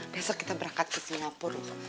besok kita berangkat ke singapura